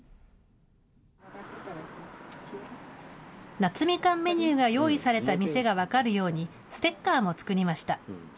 夏みかんメニューが用意された店が分かるように、ステッカーも作りました。